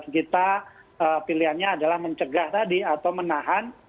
kita pilihannya adalah mencegah tadi atau menahan